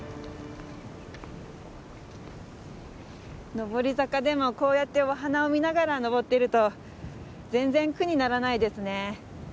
上り坂でもこうやってお花を見ながら登ってると全然苦にならないですね。